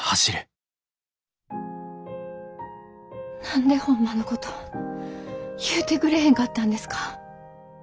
何でホンマのこと言うてくれへんかったんですか？